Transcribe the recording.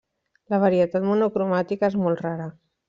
La varietat monocromàtica és molt rara.